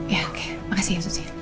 ya makasih ya susi